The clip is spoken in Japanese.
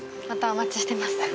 またお待ちしてます。